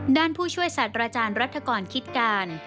ด้านผู้ช่วยสัตว์ราชาญรัฐกรคิดการ